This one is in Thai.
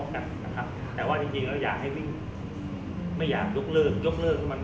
ทำมาหลายแสนอยากแกกถ้วยอยากแกกทั้งวัน